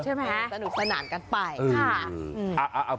สนุกสนานกันไปค่ะ